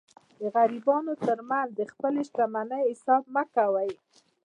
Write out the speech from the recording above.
د غریبانو تر مخ د خپلي شتمنۍ حساب مه کوئ!